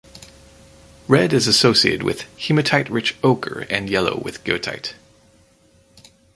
Red is associated with hematite rich ochre and yellow with goethite.